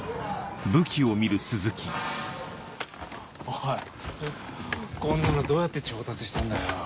おいこんなのどうやって調達したんだよ？